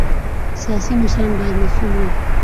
سیاسي مشران باید مسؤل وي